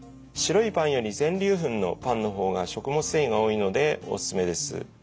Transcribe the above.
白いパンより全粒粉のパンの方が食物繊維が多いのでおすすめです。